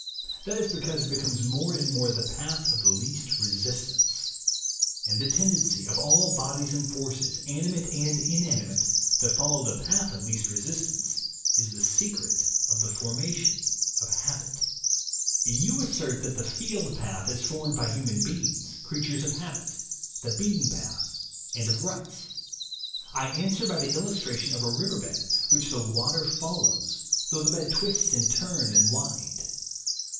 That is because it becomes more and more the path of least resistance. And the tendency of all bodies and forces, animate and inanimate, to follow the path of least resistance, is the secret of the formation of habit. You assert that the field path is formed by human beings, creatures of habit, the beaten path, and of ruts. I answer by the illustration of a river bed, which the water follows, though the bed twist and turn and wind.